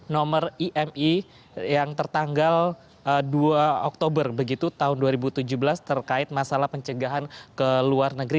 nomor imi yang tertanggal dua oktober begitu tahun dua ribu tujuh belas terkait masalah pencegahan ke luar negeri